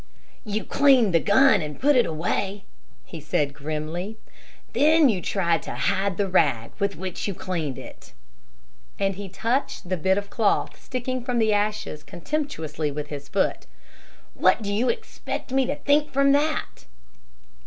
"You cleaned the gun and put it away," he said grimly. "Then you tried to hide the rag with which you cleaned it," and he touched the bit of cloth sticking from the ashes contemptuously with his foot. "What do you expect me to think from that?"